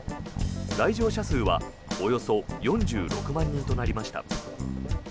来場者数はおよそ４６万人となりました。